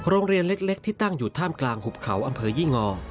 โรงเรียนเล็กที่ตั้งอยู่ท่ามกลางหุบเขาอำเภอยี่งอ